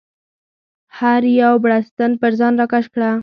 هر یو بړستن پر ځان راکش کړه.